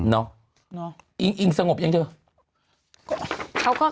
เนาะอิงสงบอย่างนี้เหรอ